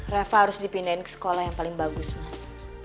reva harus dipindahin ke sekolah yang paling bagus mas